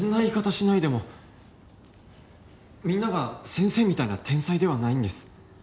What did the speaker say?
みんなが先生みたいな天才ではないんです。